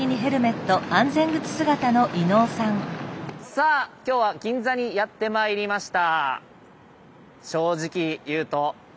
さあ今日は銀座にやってまいりました。